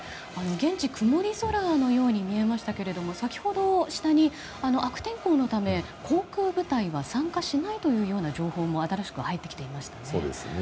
現地、曇り空に見えますが先ほど下に悪天候のため航空部隊は参加しないというような情報も新しく入っていましたね。